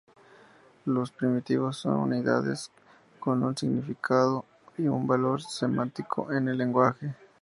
Los primitivos son unidades con un significado y un valor semántico en el lenguaje.